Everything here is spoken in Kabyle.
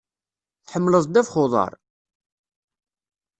Tḥemmleḍ ddabex n uḍaṛ?